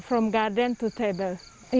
dari taman ke meja makan